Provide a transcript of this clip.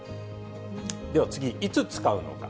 では次、いつ使うのか。